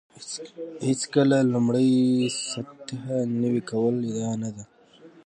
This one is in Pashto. هېڅکله لومړۍ سطح نوي کول ادعا نه ده.